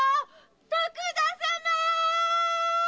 徳田様！